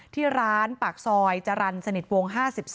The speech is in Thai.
ที่ร้านปากซอยจรรย์สนิทวง๕๒